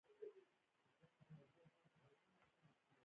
ایا ستاسو وینه به نه وچیږي؟